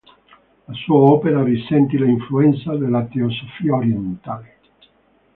La sua opera risentì l'influenza della teosofia orientale.